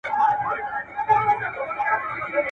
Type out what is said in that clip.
ساقي به وي، خُم به خالي وي، میخواران به نه وي.